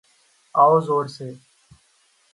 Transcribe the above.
أور زور سے۔